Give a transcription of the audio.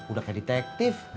udah kayak detektif